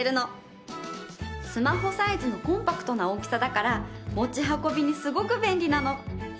スマホサイズのコンパクトな大きさだから持ち運びにすごく便利なの。